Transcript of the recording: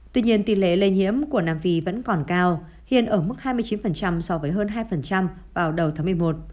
tuy nhiên tỷ lệ lây nhiễm của nam phi vẫn còn cao hiện ở mức hai mươi chín so với hơn hai vào đầu tháng một mươi một